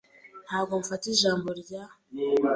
Ntabwo mfata ijambo rya .